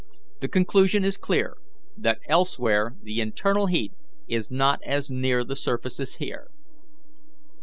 The conclusion is clear that elsewhere the internal heat is not as near the surface as here."